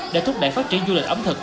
đã thúc đẩy phát triển du lịch ẩm thực